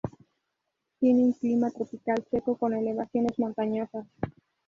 Tiene un clima tropical seco con elevaciones montañosas.